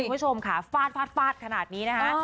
คุณผู้ชมค่ะฟาดขนาดนี้นะฮะ